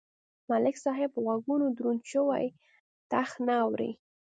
ملک صاحب په غوږونو دروند شوی ټخ نه اوري.